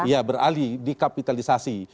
iya beralih di kapitalisasi